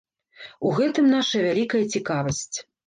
У гэтым наша вялікая цікавасць.